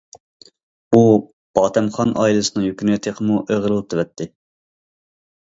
بۇ پاتەمخان ئائىلىسىنىڭ يۈكىنى تېخىمۇ ئېغىرلىتىۋەتتى.